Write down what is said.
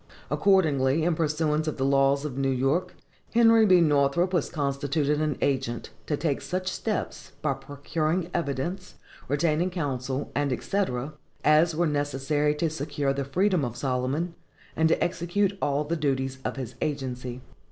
Accordingly, in pursuance of the laws of New York, Henry B. Northrop was constituted an agent, to take such steps, by procuring evidence, retaining counsel, &c., as were necessary to secure the freedom of Solomon, and to execute all the duties of his agency.